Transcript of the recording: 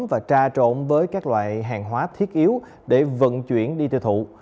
và tra trộn với các loại hàng hóa thiết yếu để vận chuyển đi theo thủ